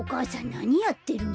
なにやってるの？